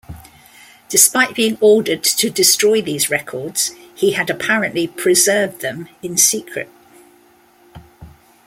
Despite being ordered to destroy these records, he had apparently preserved them in secret.